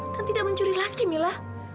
dan tidak mencuri lagi mila